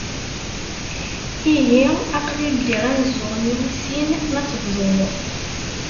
Ihi aql-i ldiɣ imeẓẓuɣen-iw i sin ma ad tebduḍ.